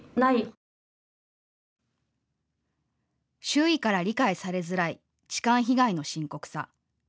周囲から理解されづらい痴漢被害の深刻さ。